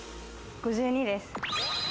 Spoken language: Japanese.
５２です。